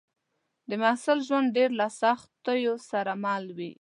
د محصل ژوند ډېر له سختیو سره مل وي